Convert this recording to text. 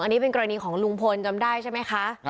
อันนี้เป็นกรณีของลุงพลจำได้ใช่ไหมคะ